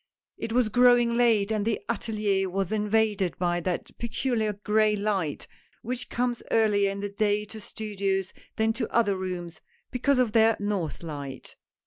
It was growing late and the atSlier was invaded by that peculiar gray light which comes earlier in the day to studios than to other rooms, because of their north light.